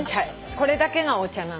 これだけがお茶なんだ。